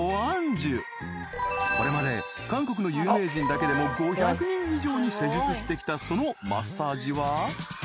［これまで韓国の有名人だけでも５００人以上に施術してきたそのマッサージは］